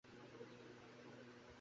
ও আচ্ছা, এজন্যই তো চুমুতে কাজ হয়নি।